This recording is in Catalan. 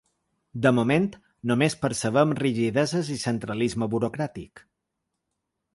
De moment, només percebem rigideses i centralisme burocràtic.